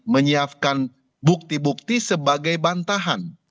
menyiapkan bukti bukti sebagai bantahan